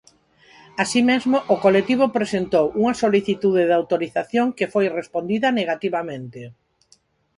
Así mesmo, o colectivo presentou unha solicitude de autorización que foi respondida negativamente.